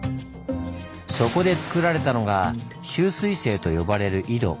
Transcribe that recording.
そこでつくられたのが集水井と呼ばれる井戸。